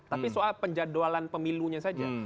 tapi soal penjadwalan pemilunya saja